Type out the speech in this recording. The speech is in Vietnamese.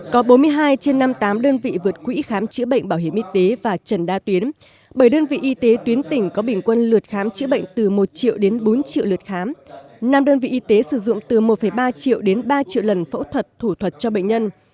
có bốn mươi hai trên năm mươi tám đơn vị vượt quỹ khám chữa bệnh bảo hiểm y tế và trần đa tuyến bảy đơn vị y tế tuyến tỉnh có bình quân lượt khám chữa bệnh từ một triệu đến bốn triệu lượt khám năm đơn vị y tế sử dụng từ một ba triệu đến ba triệu lần phẫu thuật thủ thuật cho bệnh nhân